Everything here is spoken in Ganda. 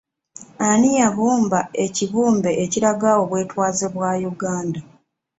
Ani yabumba ekibumbe ekiraga obwetwaze bwa Uganda?